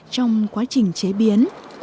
trong quá trình chế biến